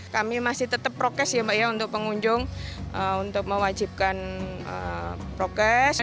kami masih tetap prokes ya mbak ya untuk pengunjung untuk mewajibkan prokes